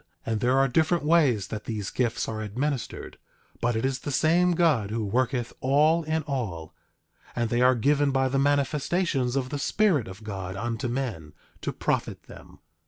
And there are different ways that these gifts are administered; but it is the same God who worketh all in all; and they are given by the manifestations of the Spirit of God unto men, to profit them.